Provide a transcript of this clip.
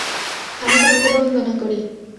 আমি তোমাকে বন্দনা করি।